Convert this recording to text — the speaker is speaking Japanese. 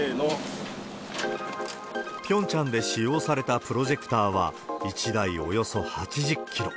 ピョンチャンで使用されたプロジェクターは１台およそ８０キロ。